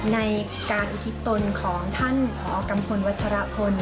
ในการอุทิศตนของท่านผอกัมพลวัชรพล